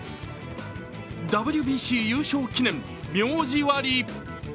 ＷＢＣ優勝記念名字割。